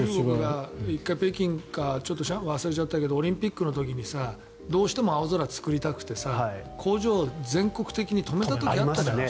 １回、北京か上海か忘れちゃったけどオリンピックの時にどうしても青空を作りたくてさ工場、全国的に止めた時があったじゃない。